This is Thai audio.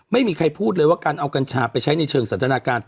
ไม่มีใครพูดเลยว่าการเอากัญชาไปใช้ในเชิงสันทนาการ